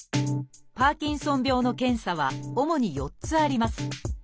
パーキンソン病の検査は主に４つあります。